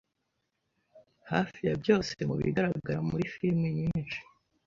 hafi ya byose mu bigaragara muri filimi nyinshi